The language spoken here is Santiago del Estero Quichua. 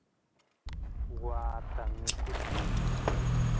waata mikuchiy